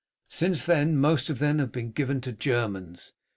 Since then most of them have been given to Germans.